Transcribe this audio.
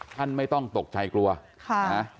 ท่านไม่ต้องตกใจกลัวค่ะนะ